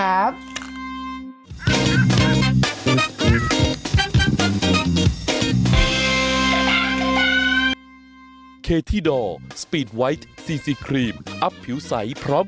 อ้าวค่ะพี่บอสไปต่อเลยค่ะเรื่องวัคซีน